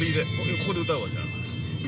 ここで歌うわ、じゃあ。